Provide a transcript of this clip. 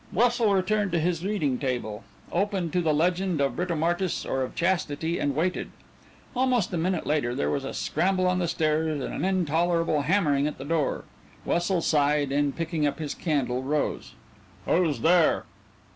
Wessel returned to his reading table, opened to the Legend of Britomartis or of Chastity and waited. Almost a minute later there was a scramble on the stairs and an intolerable hammering at the door. Wessel sighed and, picking up his candle, rose. "Who's there?"